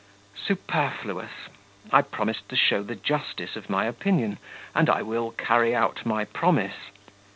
Superfluous.... I promised to show the justice of my opinion, and I will carry out my promise.